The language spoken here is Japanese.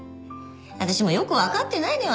私もよくわかってないのよ